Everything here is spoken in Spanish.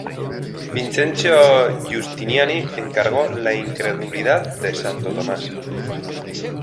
Vincenzo Giustiniani encargó "La incredulidad de Santo Tomás".